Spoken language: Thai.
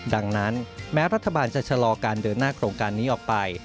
ดังนั้นแม้รัฐบาลจะชะลอการเดินหน้าโครงการนี้ออกไป